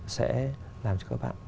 sẽ làm cho các bạn